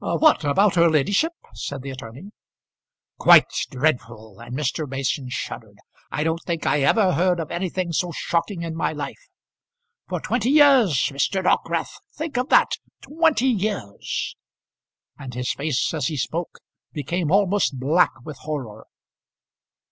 "What; about her ladyship?" said the attorney. "Quite dreadful!" and Mr. Mason shuddered. "I don't think I ever heard of anything so shocking in my life. For twenty years, Mr. Dockwrath, think of that. Twenty years!" and his face as he spoke became almost black with horror.